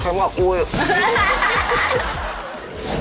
เข็มกับกูอีก